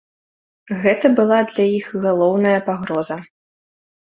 Гэта была для іх галоўная пагроза.